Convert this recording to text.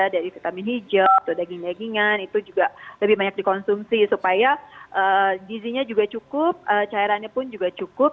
dari vitamin hijau atau daging dagingan itu juga lebih banyak dikonsumsi supaya gizinya juga cukup cairannya pun juga cukup